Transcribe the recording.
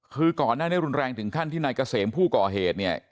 คือก่อนหน้านี้รุนแรงถึงขั้นที่นายเกษมผู้ก่อเหตุเนี่ย